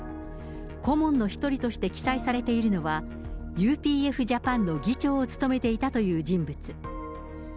顧問の１人として記載されているのは、ＵＰＦジャパンの議長を務めていたという人物。